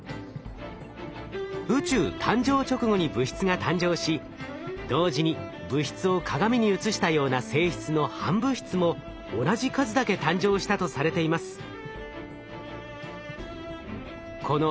宇宙誕生直後に物質が誕生し同時に物質を鏡に映したような性質の反物質も同じ数だけ誕生したとされています。